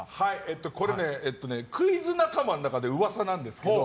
これ、クイズ仲間の中で噂なんですけど。